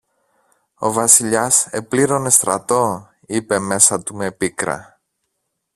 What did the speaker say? Ο Βασιλιάς επλήρωνε στρατό είπε μέσα του με πίκρα